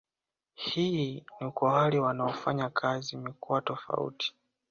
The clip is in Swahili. Hii ni kwa wale wanaofanya kazi mikoa tofauti